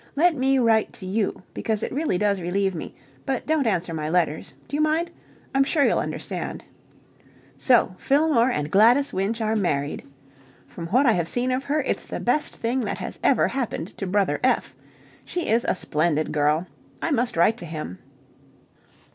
Let me write to you, because it really does relieve me, but don't answer my letters. Do you mind? I'm sure you'll understand. So Fillmore and Gladys Winch are married! From what I have seen of her, it's the best thing that has ever happened to Brother F. She is a splendid girl. I must write to him...